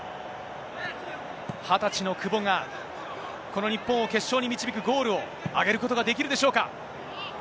２０歳の久保が、この日本を決勝に導くゴールを挙げることができるでしょうか。